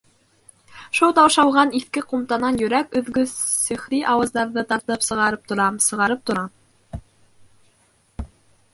Шул таушалған иҫке ҡумтанан йөрәк өҙгөс сихри ауаздарҙы тартып сығарып торам, сығарып торам.